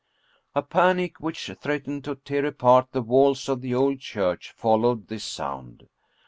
A panic which threatened to tear apart the walls of the old church followed this sound.